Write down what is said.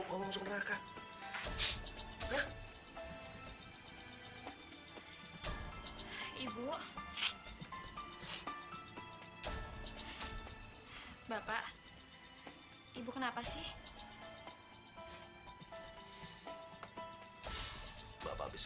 kamu tuh enggak ada yang ngelupas